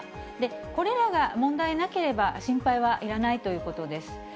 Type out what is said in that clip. これらが問題なければ、心配はいらないということです。